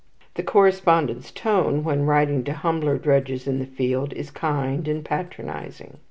The correspondent's tone, when writing to humbler drudges in the field, is kind and patronizing.